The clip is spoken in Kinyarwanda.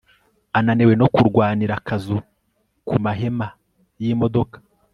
ananiwe no kurwanira akazu kumahema yimodoka